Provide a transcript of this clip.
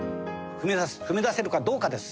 踏み出せるかどうかです。